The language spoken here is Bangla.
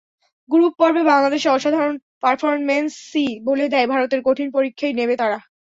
গ্রুপ পর্বে বাংলাদেশের অসাধারণ পারফরম্যান্সই বলে দেয়, ভারতের কঠিন পরীক্ষাই নেবে তারা।